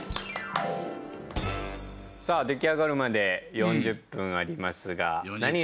さあ出来上がるまで４０分ありますが何しましょうか。